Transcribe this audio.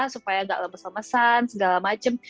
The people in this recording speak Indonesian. supaya nggak lemes lemesan segala macem